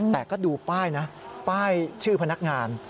แต่ก็ดูป้ายนะป้ายชื่อพนักงาน